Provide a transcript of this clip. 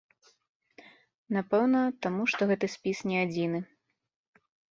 Напэўна, таму, што гэты спіс не адзіны.